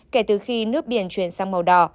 kể từ khi nước biển truyền sang màu đỏ